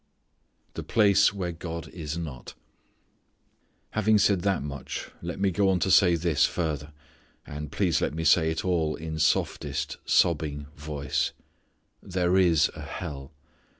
The Place Where God is Not. Having said that much let me go on to say this further, and please let me say it all in softest sobbing voice there is a hell.